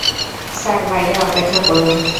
Sir, বাইরে অপেক্ষা করুন।